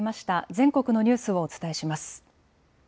全国のニュースをお伝えします。